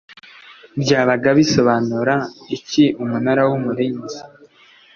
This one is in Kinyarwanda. byabaga bisobanura iki Umunara w Umurinzi